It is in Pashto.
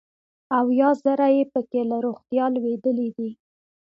اویا زره یې پکې له روغتیا لوېدلي دي.